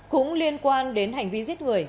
cũng liên quan đến hành vi giết người